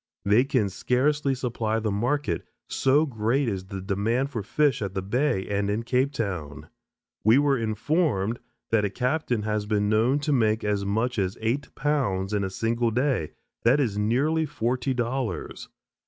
They can scarcely supply the market, so great is the demand for fish at the Bay and in Cape Town. We were informed that a captain has been known to make as much as eight pounds in a single day; that is nearly forty dollars.